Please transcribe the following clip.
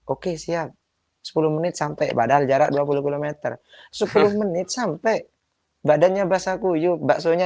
oke siap sepuluh menit sampai padahal jarak dua puluh km sepuluh menit sampai badannya basah kuyuk baksonya